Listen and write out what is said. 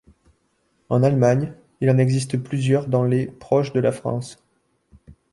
En Allemagne, il en existe plusieurs dans les ' proches de la France.